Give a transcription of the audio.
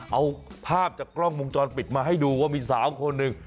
เอาภาพจากกล้องวงจรปิดมาให้ดูว่ามีสาวคนหนึ่ง